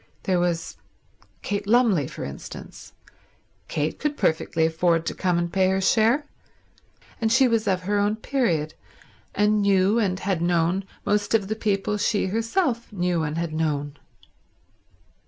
There was Kate Lumley, for instance. Kate could perfectly afford to come and pay her share; and she was of her own period and knew, and had known, most of the people she herself knew and had known.